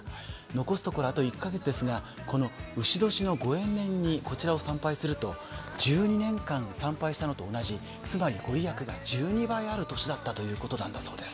残すところあと１カ月ですが、うし年のご縁年にこちらを参拝すると１２年間参拝したのと同じ、つまり御利益が１２倍ある年だったということです。